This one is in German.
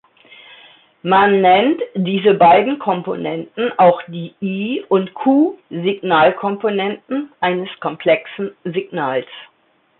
Man nennt diese beiden Komponenten auch die "I"- und "Q"-Signalkomponenten eines komplexen Signals.